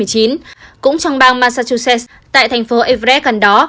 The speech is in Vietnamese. cũng trong bang massachusetts tại thành phố everes gần đó